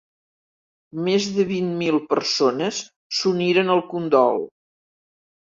Més de vint mil persones s'uniren al condol.